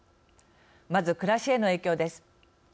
まず暮らしへの影響です。